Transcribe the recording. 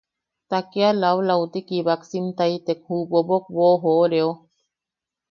Ta kia laulauti kibaksimtaitek ju bobok boʼojooreo.